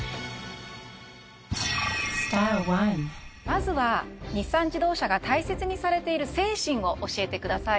まずは日産自動車が大切にされている精神を教えてください。